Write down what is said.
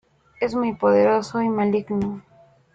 Es muy poderoso y maligno.